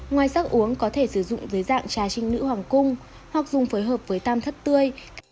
ngoài sắc uống có thể sử dụng dưới dạng trà trinh nữ hoàng cung hoặc dùng phối hợp với tam thất tươi